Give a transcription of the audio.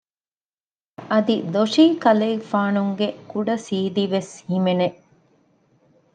އަދި ދޮށީކަލޭގެފާނުންގެ ކުޑަސީދީ ވެސް ހިމެނެ